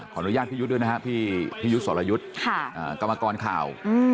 อนุญาตพี่ยุทธ์ด้วยนะครับพี่ยุทธ์สรยุทธ์กรรมกรข่าว